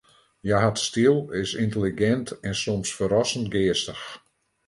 Hja hat styl, is yntelligint en soms ferrassend geastich.